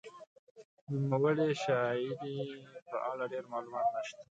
د نوموړې شاعرې په اړه ډېر معلومات نشته.